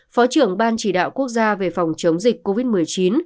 phó trưởng ban chỉ đạo quốc gia về phòng chống dịch covid một mươi chín